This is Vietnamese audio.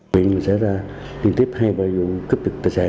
huyện sẽ ra liên tiếp hai vụ cướp giật tài sản